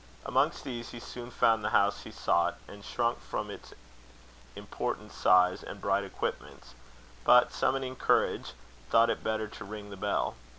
Amongst these he soon found the house he sought, and shrunk from its important size and bright equipments; but, summoning courage, thought it better to ring the bell.